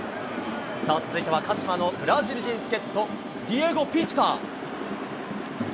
続いては、鹿島のブラジル人助っと、ディエゴ・ピトゥカ。